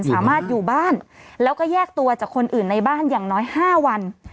สามารถอยู่บ้านแล้วก็แยกตัวจากคนอื่นในบ้านอย่างน้อย๕วัน